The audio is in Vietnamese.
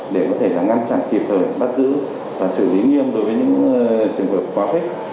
để có thể ngăn chặn kịp thời bắt giữ và xử lý nghiêm đối với những trường hợp quá khích